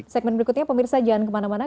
segmen berikutnya pemirsa jangan kemana mana